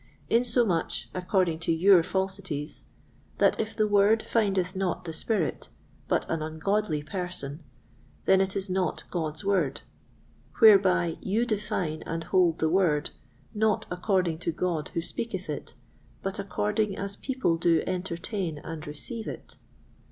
Insomuch, according to your falsities, that if the Word findeth not the Spirit, but an ungodly person, then it is not God's Word; whereby you define and hold the Word, not according to God who speaketh it, but according as people do entertain and receive it.